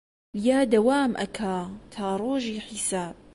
یا دەوام ئەکا تا ڕۆژی حیساب